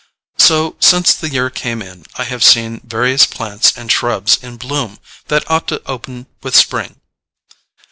So since the year came in I have seen various plants and shrubs in bloom that ought to open with spring.